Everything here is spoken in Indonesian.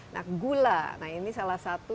nah gula nah ini salah satu